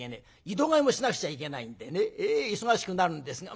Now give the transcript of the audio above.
井戸替えもしなくちゃいけないんでねええ忙しくなるんですが。